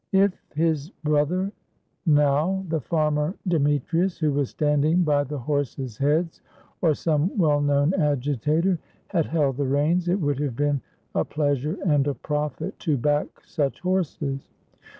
If his brother now, the farmer Demetrius — who was standing by the horses' heads — or some well known agitator had held the reins, it would have been a pleasure and a profit to back such horses.